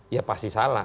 ya pasti salah